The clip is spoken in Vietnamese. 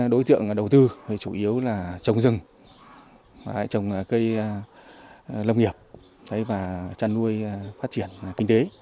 đối tượng đầu tư chủ yếu là trồng rừng trồng cây lâm nghiệp trăn nuôi phát triển kinh tế